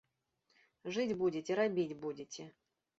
Жыць будзеце, рабіць будзеце.